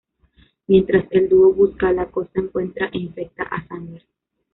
Mientras el dúo busca, la Cosa encuentra e infecta a Sander.